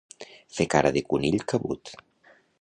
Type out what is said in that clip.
Fer cara de conill cabut.